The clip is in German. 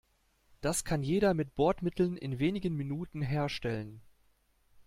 Das kann jeder mit Bordmitteln in wenigen Minuten herstellen.